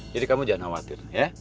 jadi kamu jangan khawatir ya